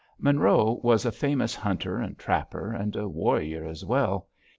Monroe was a famous hunter and trapper, and a warrior as well.